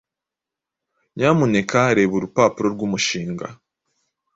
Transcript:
Nyamuneka reba urupapuro rwumushinga